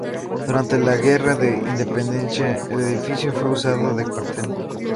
Durante la guerra de independencia el edificio fue usado de cuartel.